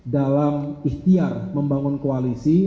dalam ihtiar membangun koalisi